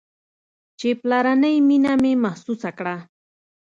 چې پلرنۍ مينه مې محسوسه كړه.